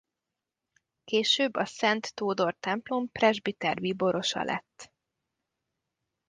Később a Szent Tódor-templom presbiter bíborosa lett.